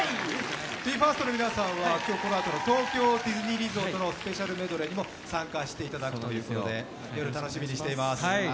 ＢＥ：ＦＩＲＳＴの皆さんは今日このあとの東京ディズニーリゾートメドレーにも参加していただくということで夜、楽しみにしています。